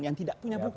yang tidak punya bukti